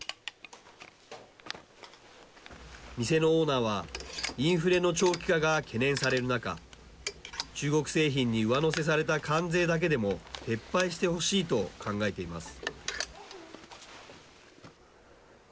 店のオーナーはインフレの長期化が懸念される中中国製品に上乗せされた関税だけでも撤廃してほしいと考えています。